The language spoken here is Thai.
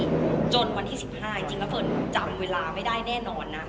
ที่จดวันที่๑๕อาจเกินละเฟินจำเวลาไม่ได้แน่นอนนะ